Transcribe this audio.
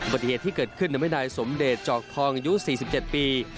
ปฏิเหตุที่เกิดขึ้นทำให้นายสมเดชจอกทองอายุ๔๗ปี